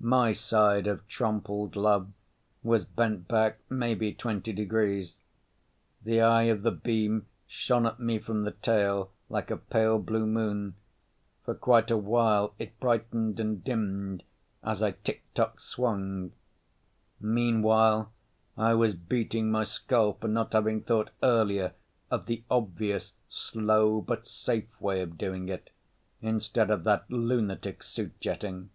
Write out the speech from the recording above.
My side of Trompled Love was bent back maybe twenty degrees. The eye of the beam shone at me from the tail like a pale blue moon. For quite a while it brightened and dimmed as I tick tock swung. Meanwhile I was beating my skull for not having thought earlier of the obvious slow but safe way of doing it, instead of that lunatic suit jetting.